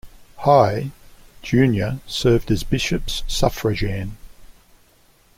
High, Junior served as bishops suffragan.